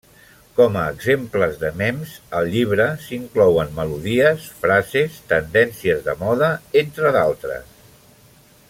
Com a exemples de mems, al llibre s'inclouen melodies, frases, tendències de moda, entre d'altres.